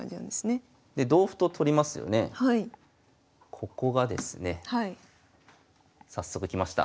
ここがですね早速きました。